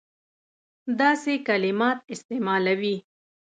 داسي کلمات استعمالوي.